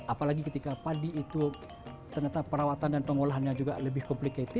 apalagi ketika padi itu ternyata perawatan dan pengolahannya juga lebih complicated